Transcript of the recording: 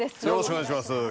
よろしくお願いします。